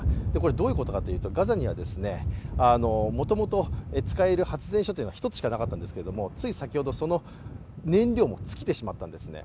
どういうことかというと、ガザにはもともと使える発電所というのが１つしかなかったんですけれども、つい先ほどその燃料も尽きてしまったんですね。